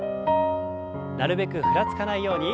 なるべくふらつかないように。